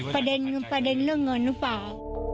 ประเด็นเรื่องเงินหรือเปล่า